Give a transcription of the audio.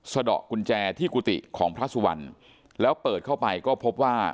สะดอกกุญแจที่กุฏิของพระสุวรรณแล้วเปิดเข้าไปก็พบว่า